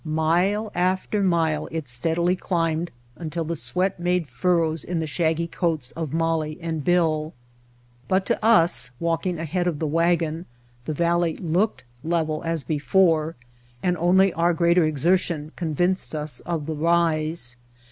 Mile after mile it steadily climbed until the sweat made furrows in the shaggy coats of Molly and Bill; but to us, walking ahead of the wagon, the valley looked level as before, and only our greater exer tion convinced us of the rise.